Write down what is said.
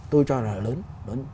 tôi cho là lớn